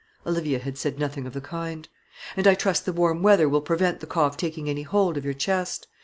Olivia had said nothing of the kind; "and I trust the warm weather will prevent the cough taking any hold of your chest.